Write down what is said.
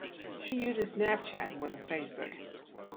She uses SnapChat more than Facebook